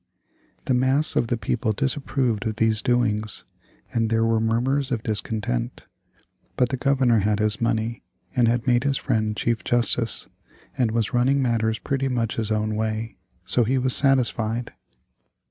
The mass of the people disapproved of these doings, and there were murmurs of discontent. But the Governor had his money, and had made his friend Chief Justice, and was running matters pretty much his own way, so he was satisfied.